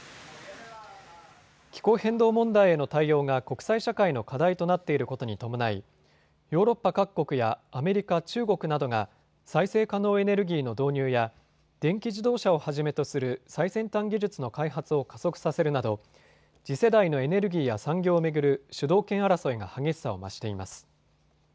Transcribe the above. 気候変動問題への対応が国際社会の課題となっていることに伴いヨーロッパ各国やアメリカ、中国などが再生可能エネルギーの導入や電気自動車をはじめとする最先端技術の開発を加速させるなど次世代のエネルギーや産業を巡る主導権争いが激しさを増しています。